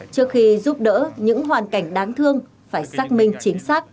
trước khi giúp đỡ những hoàn cảnh đáng thương phải xác minh chính xác